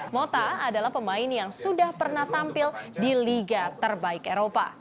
mota adalah pemain yang sudah pernah tampil di liga terbaik eropa